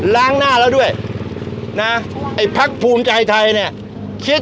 ล้างหน้าแล้วด้วยนะไอ้พักภูมิใจไทยเนี่ยคิด